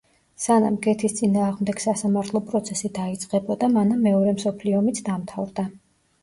სანამ გეთის წინააღმდეგ სასამართლო პროცესი დაიწყებოდა, მანამ მეორე მსოფლიო ომიც დამთავრდა.